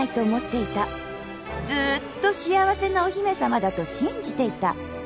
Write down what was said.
ずっと幸せなお姫さまだと信じていた